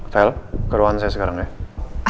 vel kerohan saya sekarang ya